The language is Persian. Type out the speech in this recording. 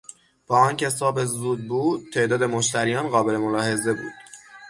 با آنکه صبح زود بود تعداد مشتریان قابل ملاحظه بود.